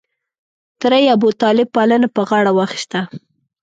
تره یې ابوطالب پالنه په غاړه واخسته.